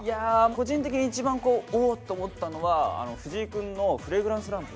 個人的に一番「お」と思ったのがあの藤井くんのフレグランスランプ。